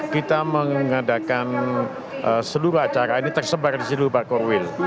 kita mengadakan seluruh acara ini tersebar di seluruh pakurwil